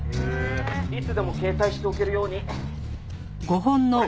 「いつでも携帯しておけるようにこれ」